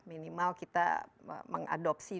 minimal kita mengadopsi